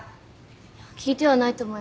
いや聞いてはないと思います。